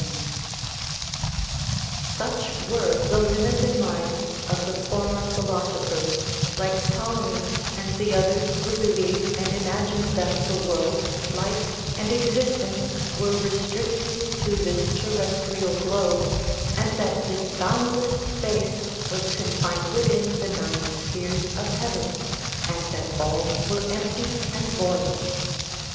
MISCELLANEOUS SUBJECTS 325 Such were the limited minds of the former philoso phers, like Ptolemy and the others who believed and imagined that the world, life, and existence, were restricted to this terrestrial globe, and that this boundless space was confined within the nine spheres of heaven, and that all were empty and void.